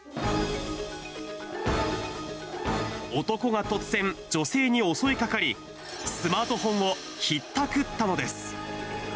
男が突然、女性に襲いかかり、スマートフォンをひったくったのです。